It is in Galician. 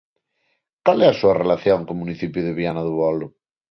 Cal é a súa relación co municipio de Viana do Bolo?